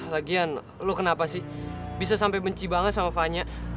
lagian lu kenapa sih bisa sampai benci banget sama fanya